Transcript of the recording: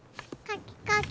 かきかき。